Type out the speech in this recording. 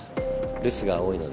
留守が多いので。